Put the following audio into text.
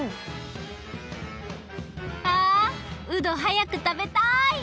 あうどはやくたべたい！